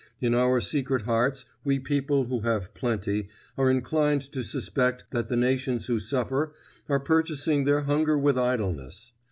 In our secret hearts we people who have plenty, are inclined to suspect that the nations who suffer are purchasing their hunger with idleness.